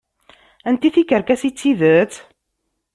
Anti tikerkas i d tidet?